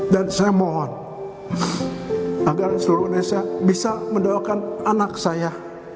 dan saya mohon agar seluruh indonesia bisa mendoakan anak saya